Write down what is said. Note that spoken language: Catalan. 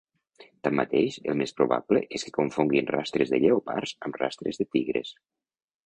Tanmateix, el més probable és que confonguin rastres de lleopards amb rastres de tigres.